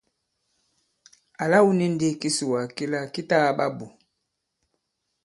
Àla wu ni ndī kisùwà kila ki ta kaɓa bù !